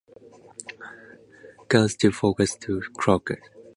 Guns to focus on Cockstar.